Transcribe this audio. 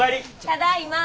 ただいま。